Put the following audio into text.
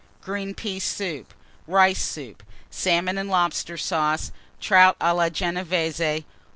Green Pea Soup. Rice Soup. Salmon and Lobster Sauce. Trout à la Genévése.